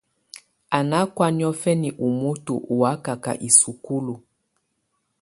Á ná kɔ̀á niɔ̀fɛna ú moto ù wakaka isukulu.